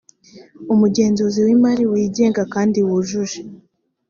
umugenzuzi w imari wigenga kandi wujuje